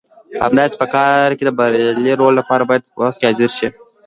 همداسې په کار کې د بریالي رول لپاره باید په وخت حاضر شئ.